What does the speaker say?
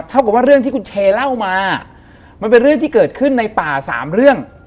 กับว่าเรื่องที่คุณเชเล่ามามันเป็นเรื่องที่เกิดขึ้นในป่าสามเรื่อง